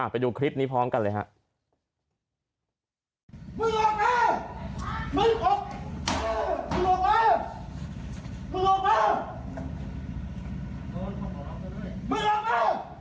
ไปดูคลิปนี้พร้อมกันเลยครับ